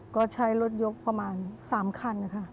ก็ใช้รถยกประมาณ๓คันนะคะ